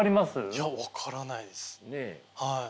いや分からないです。